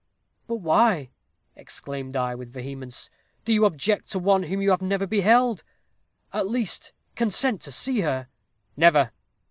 "'But why,' exclaimed I, with vehemence, 'do you object to one whom you have never beheld? At least, consent to see her.' "'Never!'